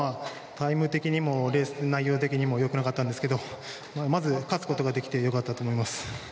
タイム的にもレース内容的にもよくなかったんですけどまず勝つことができてよかったと思います